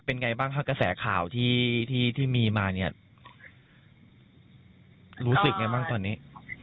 เป็นไงบ้างถ้าแสข่าวที่มีมารู้สึกยังไงบ้างตอนนี้